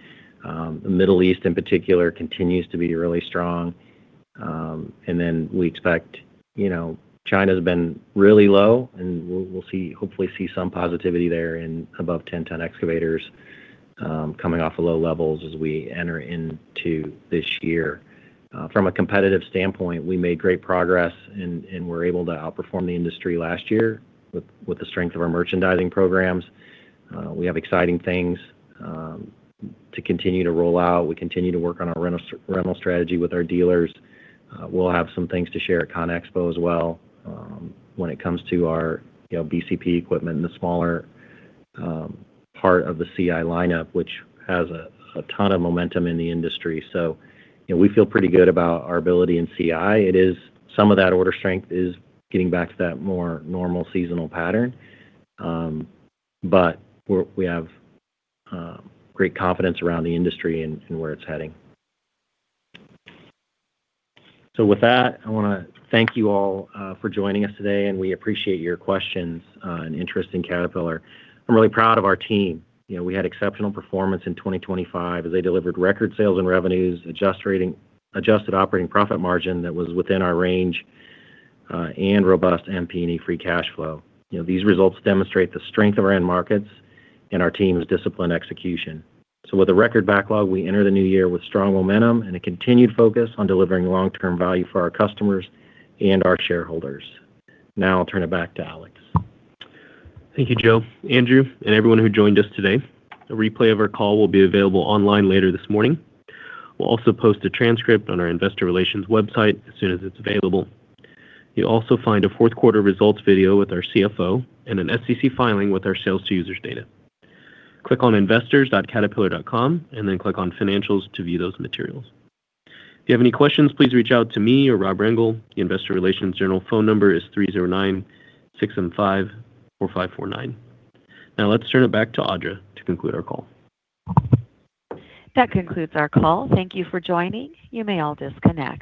Speaker 3: The Middle East, in particular, continues to be really strong. We expect China's been really low, and we'll hopefully see some positivity there in above 10-ton excavators coming off of low levels as we enter into this year. From a competitive standpoint, we made great progress, and we're able to outperform the industry last year with the strength of our merchandising programs. We have exciting things to continue to roll out. We continue to work on our rental strategy with our dealers. We'll have some things to share at ConExpo as well when it comes to our BCP equipment and the smaller part of the CI lineup, which has a ton of momentum in the industry. So we feel pretty good about our ability in CI. Some of that order strength is getting back to that more normal seasonal pattern, but we have great confidence around the industry and where it's heading. So with that, I want to thank you all for joining us today, and we appreciate your questions and interest in Caterpillar. I'm really proud of our team. We had exceptional performance in 2025 as they delivered record sales and revenues, adjusted operating profit margin that was within our range, and robust MP&E free cash flow. These results demonstrate the strength of our end markets and our team's disciplined execution. With a record backlog, we enter the new year with strong momentum and a continued focus on delivering long-term value for our customers and our shareholders. Now I'll turn it back to Alex.
Speaker 2: Thank you, Joe, Andrew, and everyone who joined us today. A replay of our call will be available online later this morning. We'll also post a transcript on our investor relations website as soon as it's available. You'll also find a fourth quarter results video with our CFO and an SEC filing with our sales to users data. Click on investors.caterpillar.com, and then click on financials to view those materials. If you have any questions, please reach out to me or Rob Rengel. The investor relations general phone number is 309-675-4549. Now let's turn it back to Audra to conclude our call.
Speaker 1: That concludes our call. Thank you for joining. You may all disconnect.